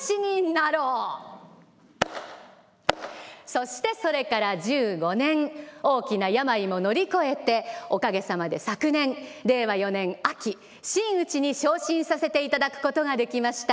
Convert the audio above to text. そしてそれから１５年大きな病も乗り越えておかげさまで昨年令和４年秋真打に昇進させていただくことができました。